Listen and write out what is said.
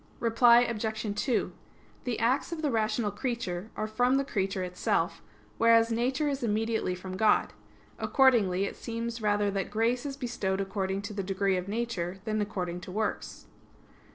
Reply Obj. 2: The acts of the rational creature are from the creature itself; whereas nature is immediately from God. Accordingly it seems rather that grace is bestowed according to degree of nature than according to works.